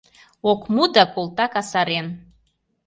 Ок му да колта касарен